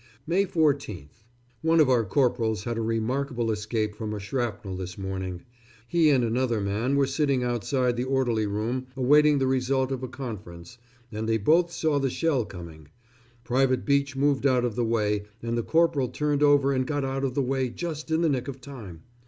May 14th. One of our corporals had a remarkable escape from a shrapnel this morning. He and another man were sitting outside the orderly room awaiting the result of a conference, and they both saw the shell coming. Private Beech moved out of the way, and the corporal turned over and got out of the way just in the nick of time.